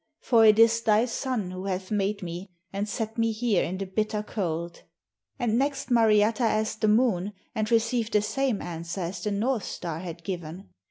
For it is thy son who hath made me and set me here in the bitter cold.' And next Mariatta asked the Moon, and received the same answer as the North star had given.